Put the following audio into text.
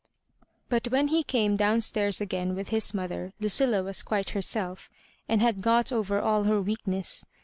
But when he came down stairs again with his mother, Ludlla was quite herself, and had got over all her weakness.